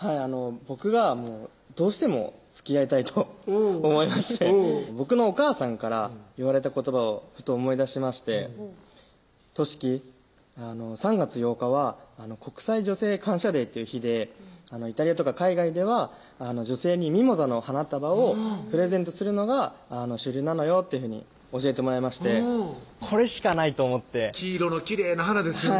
僕がどうしてもつきあいたいと思いまして僕のお母さんから言われた言葉をふと思い出しまして「稔騎３月８日は国際女性感謝デーという日でイタリアとか海外では女性にミモザの花束をプレゼントするのが主流なのよ」っていうふうに教えてもらいましてこれしかないと思って黄色のきれいな花ですよね